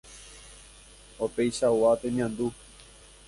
opáichagua temiandu